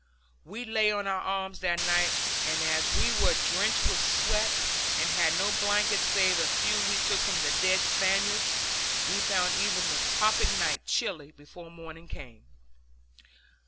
We lay on our arms that night and as we were drenched with sweat, and had no blankets save a few we took from the dead Spaniards, we found even the tropic night chilly before morning came.